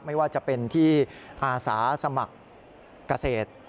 ไม่ว่าจะเป็นที่อาสาสมัครเกษตร